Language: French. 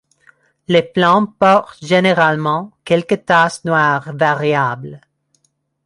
Les flancs portent généralement quelques taches noires variables.